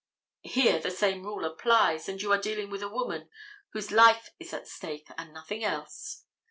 Here the same rule applies, and you are dealing with a woman, whose life is at stake, and nothing else.